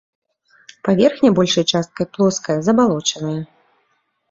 Паверхня большай часткай плоская, забалочаная.